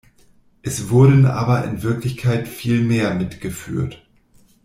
Es wurden aber in Wirklichkeit viel mehr mit geführt.